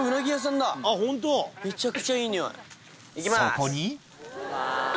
そこに！